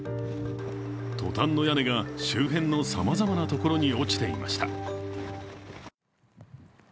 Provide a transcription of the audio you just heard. トタンの屋根が周辺のさまざまな所に落ちていました。